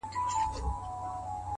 • هم باندي جوړ سول لوی زیارتونه ,